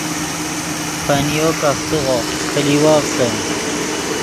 پنۡیو کفتیغو پلیوڤتے